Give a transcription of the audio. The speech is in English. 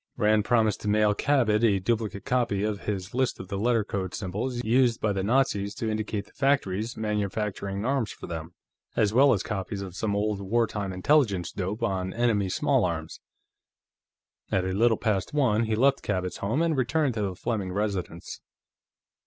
Rand promised to mail Cabot a duplicate copy of his list of the letter code symbols used by the Nazis to indicate the factories manufacturing arms for them, as well as copies of some old wartime Intelligence dope on enemy small arms. At a little past one, he left Cabot's home and returned to the Fleming residence.